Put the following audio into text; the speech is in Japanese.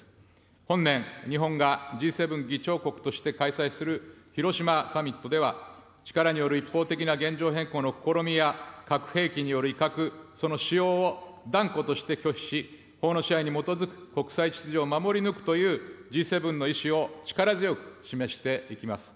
本年、日本がＧ７議長国として開催する広島サミットでは、力による一方的な現状変更の試みや、核兵器による威嚇、その使用を断固として拒否し、法の支配に基づく国際秩序を守り抜くというＧ７の意志を力強く示していきます。